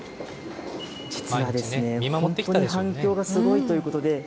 実は本当に反響がすごいということで。